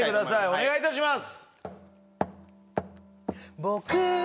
お願いいたします